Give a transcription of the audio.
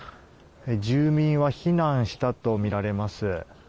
住民は避難したとみられます。